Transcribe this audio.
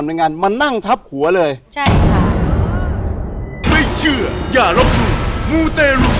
ทำในงานมานั่งทับหัวเลยใช่ค่ะไม่เชื่ออย่ารับหยุ่น